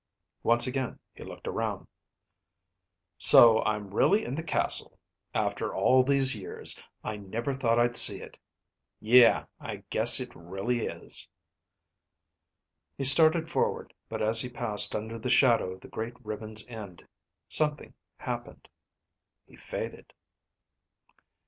Once again he looked around. "So I'm really in the castle. After all these years. I never thought I'd see it. Yeah, I guess it really is." He started forward, but as he passed under the shadow of the great ribbon's end, something happened. He faded.